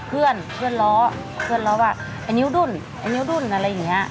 เพื่อนเพื่อนล้อเพื่อนล้อว่าไอ้นิ้วดุ้นไอ้นิ้วดุ้นอะไรอย่างนี้